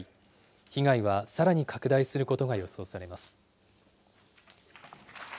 被害はさらに拡大することが予想されます。